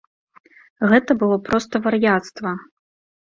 Гэта было проста вар'яцтва!